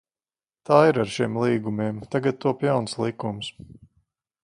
Tā ir ar šiem līgumiem, tagad top jauns likums.